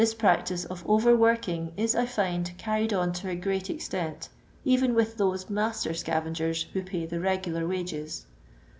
This pmctice of overworking it, I find, carried on to a great extent, even with those master scavagers who pay the regular wages.